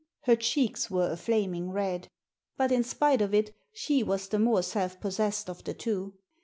Her cheeks were a flaming red ; but, in spite of it, she was the more self possessed of the two.